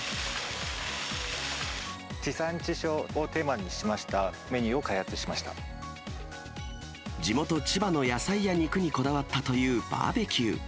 地産地消をテーマにしました地元、千葉の野菜や肉にこだわったというバーベキュー。